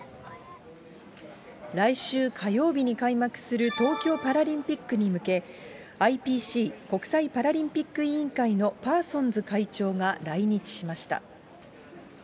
来週火曜日に開幕する東京パラリンピックに向け、ＩＰＣ・国際パラリンピック委員会のパーソンズ会長が来日しました。